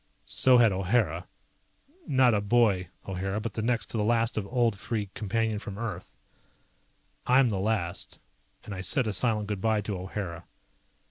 So had O'Hara. Not a boy, O'Hara, but the next to the last of old Free Companion from Earth. I'm the last, and I said a silent good bye to O'Hara.